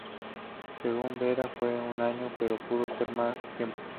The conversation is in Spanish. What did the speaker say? Según Beda, fue un año, pero pudo ser más tiempo.